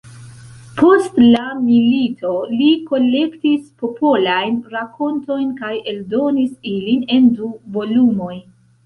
Post la milito, li kolektis popolajn rakontojn kaj eldonis ilin en du volumoj.